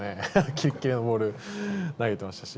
キレキレのボール投げてましたし、